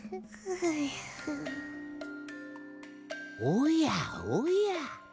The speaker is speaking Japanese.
おやおや。